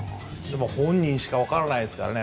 本人しか分からないですからね。